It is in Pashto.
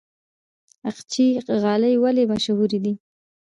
اقچې غالۍ ولې مشهورې دي؟